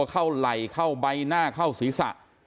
ไหล่เข้าใบหน้าเข้าศีรษะ